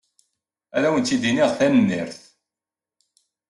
Ad awent-iniɣ tanemmirt.